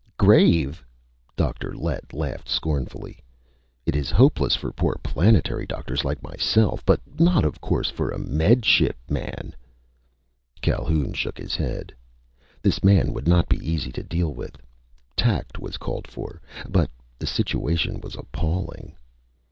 "Grave!" Dr. Lett laughed scornfully. "It is hopeless for poor planetary doctors like myself! But not, of course, for a Med Ship man!" Calhoun shook his head. This man would not be easy to deal with. Tact was called for. But the situation was appalling.